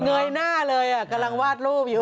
เหนื่อยหน้าเลยอ่ะกำลังวาดรูปอยู่